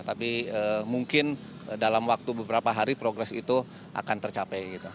tapi mungkin dalam waktu beberapa hari progres itu akan tercapai